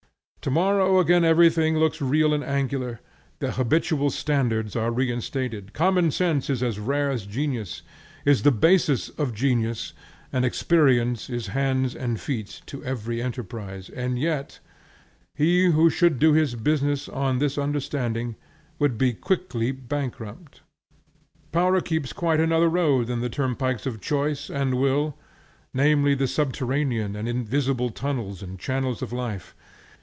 Tomorrow again everything looks real and angular, the habitual standards are reinstated, common sense is as rare as genius, is the basis of genius, and experience is hands and feet to every enterprise; and yet, he who should do his business on this understanding would be quickly bankrupt. Power keeps quite another road than the turnpikes of choice and will; namely the subterranean and invisible tunnels and channels of life.